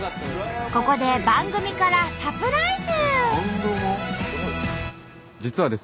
ここで番組からサプライズ。